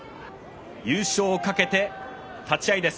優勝をかけて立ち合いです。